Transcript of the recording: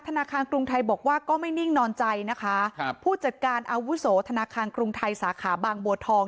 ธนาคารกรุงไทยบอกว่าก็ไม่นิ่งนอนใจนะคะครับผู้จัดการอาวุโสธนาคารกรุงไทยสาขาบางบัวทอง